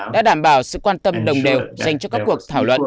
đã đảm bảo sự quan tâm đồng đều dành cho các cuộc thảo luận